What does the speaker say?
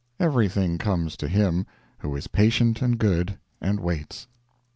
Everything comes to him who is patient and good, and waits.